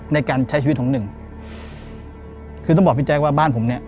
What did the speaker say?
ในการใช้ชีวิตของหนึ่งคือต้องบอกพี่แจ๊คว่าบ้านผมเนี้ย